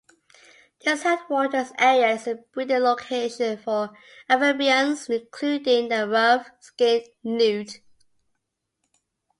This headwaters area is a breeding location for amphibians including the rough-skinned newt.